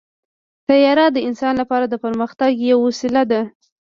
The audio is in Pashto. طیاره د انسان لپاره د پرمختګ یوه وسیله ده.